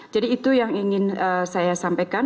jadi itu yang ingin saya sampaikan